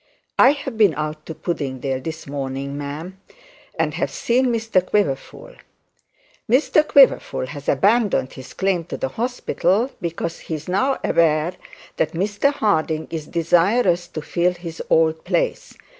'I have been out to Puddingdale this morning, ma'am, and have seen Mr Quiverful. Mr Quiverful has abandoned his claim to the hospital, because he is now aware that Mr Harding is desirous to fill his old place.